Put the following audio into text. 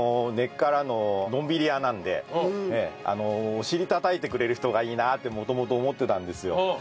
根っからののんびり屋なんでお尻叩いてくれる人がいいなって元々思ってたんですよ。